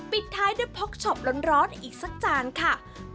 ปิดท้ายด้วยพกช็อปร้อนอีกสักจานค่ะ